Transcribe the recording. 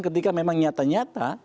ketika memang nyata nyata